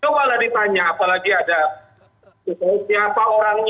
coba lah ditanya apalagi ada siapa orangnya